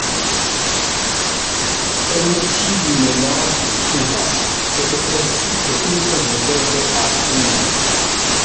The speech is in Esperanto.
En ĉiuj monatoj pluvas, sed precipe inter novembro-aprilo.